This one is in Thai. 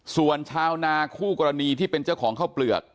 ส่วนชาวนาคู่กรณีที่เป็นเจ้าของข้าวเปลือก